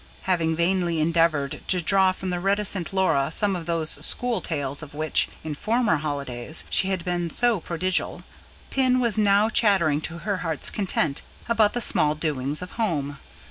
Having vainly endeavoured to draw from the reticent Laura some of those school tales of which, in former holidays, she had been so prodigal, Pin was now chattering to her heart's content, about the small doings of home.